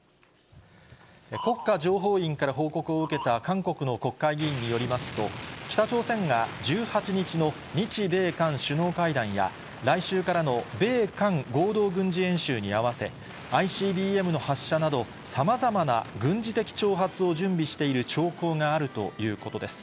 国家情報院から報告を受けた韓国の国会議員によりますと、北朝鮮が、１８日の日米韓首脳会談や、来週からの米韓合同軍事演習に合わせ、ＩＣＢＭの発射など、さまざまな軍事的挑発を準備している兆候があるということです。